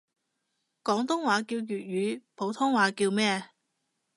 廣東話叫粵語，普通話叫咩？